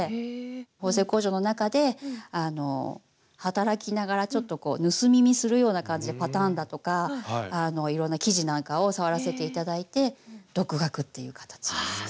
縫製工場の中であの働きながらちょっと盗み見するような感じでパターンだとかいろんな生地なんかを触らせて頂いて独学っていう形ですね。